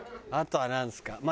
あとはなんですか？